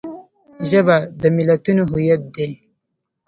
ژبه د ملتونو هویت دی